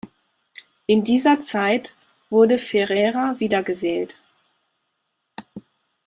In dieser Zeit wurde Ferrera wiedergewählt.